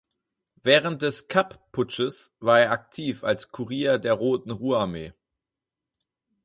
Während des Kapp-Putsches war er aktiv als Kurier der Roten Ruhrarmee.